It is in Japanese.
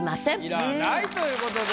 要らないという事で。